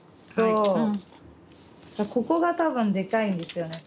ここが多分でかいんですよね。